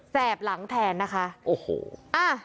แสบหลังแทนนะคะ